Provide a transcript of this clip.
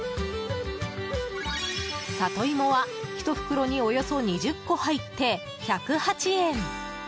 里芋は、ひと袋におよそ２０個入って１０８円。